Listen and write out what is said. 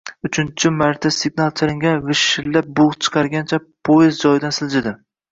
Uchinchi marta signal chalingach, vishillab bugʻ chiqargancha poyezd joyidan siljidi.